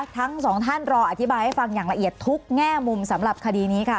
ทั้งสองท่านรออธิบายให้ฟังอย่างละเอียดทุกแง่มุมสำหรับคดีนี้ค่ะ